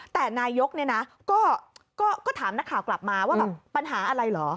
แต่นายกก็ถามนักข่าวกลับมาว่าปัญหาอะไรเหรอ